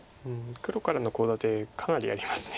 黒からのコウ立てかなりあります。